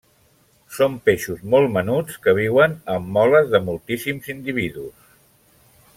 Són peixos molt menuts que viuen en moles de moltíssims individus.